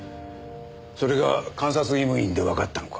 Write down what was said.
それが監察医務院でわかったのか。